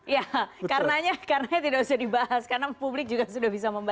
ya karena tidak usah dibahas karena publik juga sudah bisa membahas